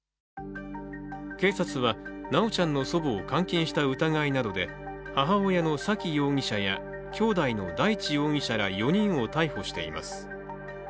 警察は修ちゃんの祖母を監禁した疑いなどで母親の沙喜容疑者やきょうだいの大地容疑者ら４人を逮捕しています。